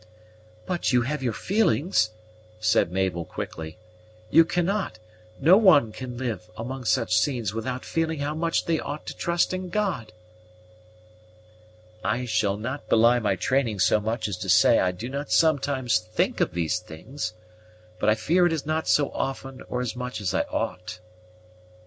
"But you have your feelings!" said Mabel quickly. "You cannot no one can live among such scenes without feeling how much they ought to trust in God!" "I shall not belie my training so much as to say I do not sometimes think of these things, but I fear it is not so often or so much as I ought."